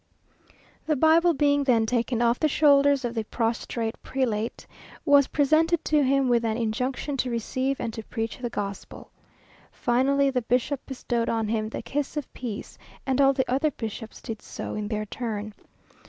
The Bible being then taken off the shoulders of the prostrate prelate, was presented to him with an injunction to receive and to preach the gospel. Finally, the bishop bestowed on him the kiss of peace; and all the other bishops did so in their turn.